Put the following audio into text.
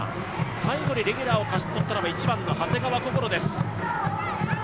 最後でレギュラーを勝ち取ったのは１番の長谷川想です。